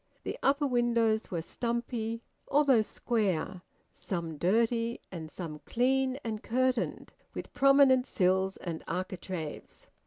The upper windows were stumpy, almost square, some dirty and some clean and curtained, with prominent sills and architraves.